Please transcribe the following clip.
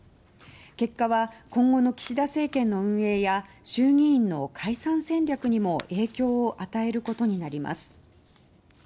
結果は、今後の岸田政権の運営や衆議院の解散戦略にも影響を与えることになります。